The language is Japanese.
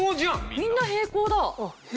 みんな平行だ。